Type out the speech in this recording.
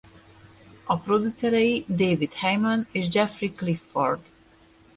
A producerei David Heyman és Jeffrey Clifford.